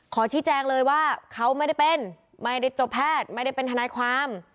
ขอชี้แจงเลยว่าเขาไม่ได้เป็นไม่ได้จบแพทย์ไม่ได้เป็นทนายความ